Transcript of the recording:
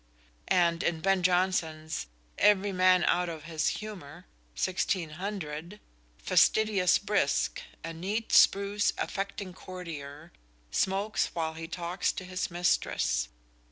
_ And in Ben Jonson's "Every Man out of his Humour," 1600, Fastidious Brisk, "a neat, spruce, affecting courtier," smokes while he talks to his mistress.